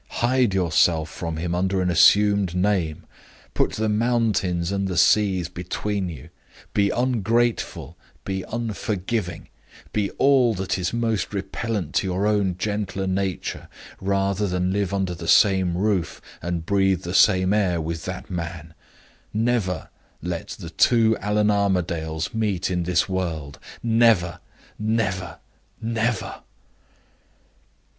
Hide yourself from him under an assumed name. Put the mountains and the seas between you; be ungrateful, be unforgiving; be all that is most repellent to your own gentler nature, rather than live under the same roof, and breathe the same air, with that man. Never let the two Allan Armadales meet in this world: never, never, never!